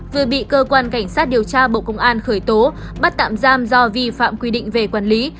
vừa bị cơ quan cảnh sát điều tra bộ công an khởi tố bắt tạm giam do vi phạm quy định về quản lý